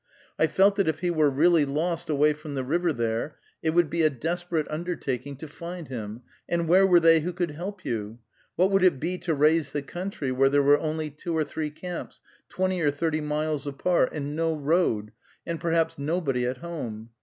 I felt that if he were really lost away from the river there, it would be a desperate undertaking to find him; and where were they who could help you? What would it be to raise the country, where there were only two or three camps, twenty or thirty miles apart, and no road, and perhaps nobody at home?